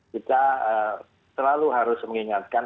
kita selalu harus mengingatkan